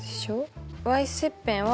切片は５。